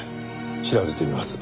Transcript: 調べてみます。